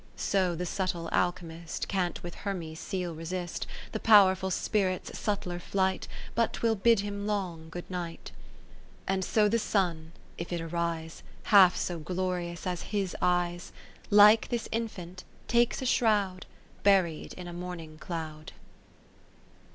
So the subtle alchymist, Can't with Hermes' Seal resist The powerful spirit's subtler fiight, J)Ut 'twill bid him long good night : And so the Sun, if it arise Half so glorious as his eyes, 20 Like this Lifant, takes a shroud. Buried in a morning cloud.